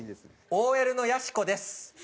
ＯＬのやしこです。